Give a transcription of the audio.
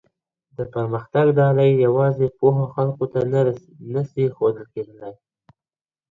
د پرمختګ ډالۍ یوازي پوهو خلګو ته نه سي ښودل کېدلای.